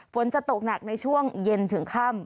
ฝนจะตกหนักในช่วงเย็นถึงค่ำ